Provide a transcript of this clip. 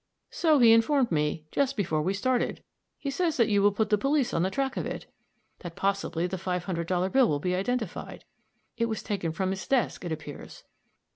"So he informed me, just before we started. He says that you will put the police on the track of it that possibly the five hundred dollar bill will be identified. It was taken from his desk, it appears."